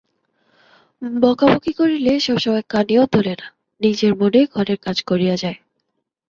বকবিকি করিলে সবসময় কানেও তোলে না, নিজের মনে ঘরের কাজ করিয়া যায়।